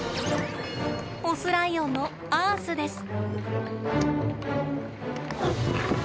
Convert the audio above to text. オスライオンのアースです。